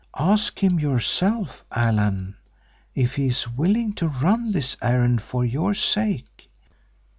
Ask him yourself, Allan, if he is willing to run this errand for your sake.